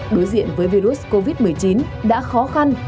đối diện với virus covid một mươi chín đã khó khăn